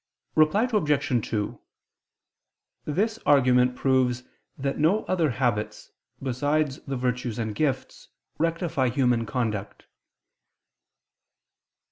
Reply Obj. 2: This argument proves that no other habits, besides the virtues and gifts, rectify human conduct.